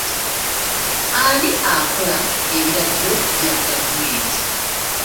Ani akola ebiragiro bya gavumenti?